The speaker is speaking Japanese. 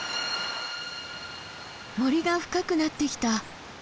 森が深くなってきた。